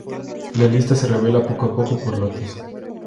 La lista se revela poco a poco por lotes.